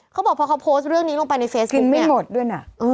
เขาบอกพอเขาโพสต์เรื่องนี้ลงไปในเฟซบุ๊คไม่หมดด้วยนะ